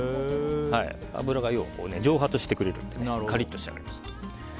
油が蒸発してくれてカリッと仕上がります。